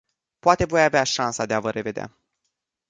Poate voi avea șansa de a vă revedea.